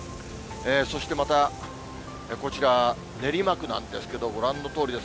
そしてまたこちら、練馬区なんですけれども、ご覧のとおりです。